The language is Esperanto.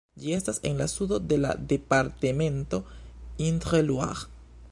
Ĝi estas en la sudo de la departemento Indre-et-Loire.